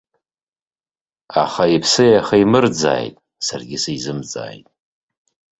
Аха иԥсы иахимырӡааит, саргьы сизымҵааит.